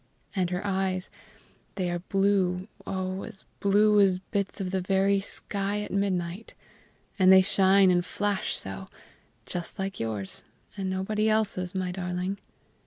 And her eyes, they are blue, oh, as blue as bits of the very sky at midnight! and they shine and flash so just like yours, and nobody else's, my darling."